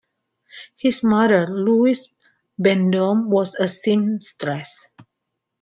His mother, Louise Bendome, was a seamstress.